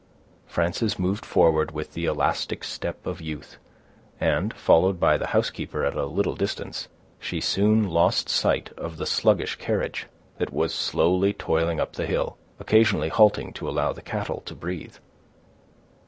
Frances moved forward with the elastic step of youth; and, followed by the housekeeper at a little distance, she soon lost sight of the sluggish carriage, that was slowly toiling up the hill, occasionally halting to allow the cattle to breathe.